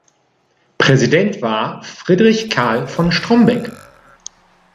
Präsident war Friedrich Karl von Strombeck.